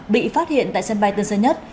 bị phát hiện tại sân bay tân sơn nhất